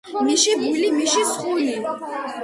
მიში ბული მიში სხული